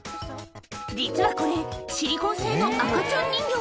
実はこれ、シリコン製の赤ちゃん人形。